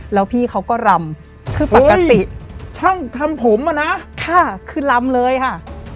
แล้วพี่เขาก็ลำคือปกติทำผมอ่ะน่ะค่ะคือลำเลยค่ะ